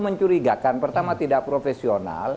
mencurigakan pertama tidak profesional